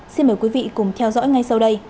xin mời quý vị cùng theo dõi ngay sau đây